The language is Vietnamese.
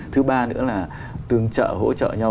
thứ ba nữa là tương trợ hỗ trợ nhau